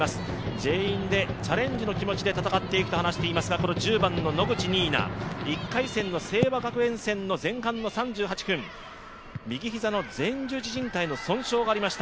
全員でチャレンジの気持ちで戦っていくと話していますが１０番の野口初奈、１回戦の聖和学園戦の前半の３８分、右膝の前十字じん帯の断裂がありました。